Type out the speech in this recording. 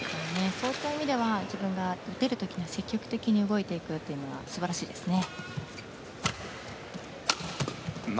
そういった意味では自分が打てる時に積極的に動いていくのは素晴らしいですね。